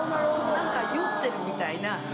何か酔ってるみたいな。